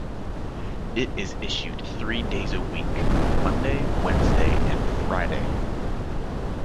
It is issued three days a week, monday, wednesday and friday.